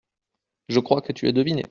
Je crois que tu as deviné.